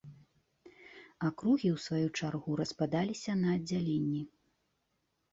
Акругі, у сваю чаргу, распадаліся на аддзяленні.